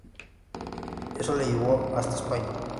Eso le llevó hasta España.